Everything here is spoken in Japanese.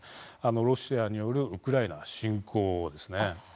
ロシアによるウクライナ侵攻です。